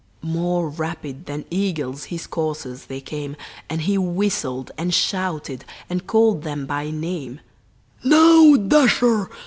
More rapid than eagles his coursers they came, And he whistled, and shouted, and called them by name: "Now, Dasher!